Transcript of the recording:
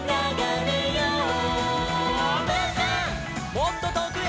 「もっととおくへ」